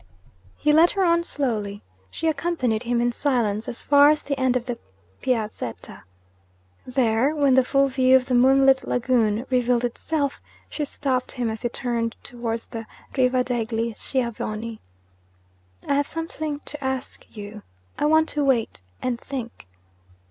He led her on slowly. She accompanied him in silence as far as the end of the Piazzetta. There, when the full view of the moonlit Lagoon revealed itself, she stopped him as he turned towards the Riva degli Schiavoni. 'I have something to ask you. I want to wait and think.'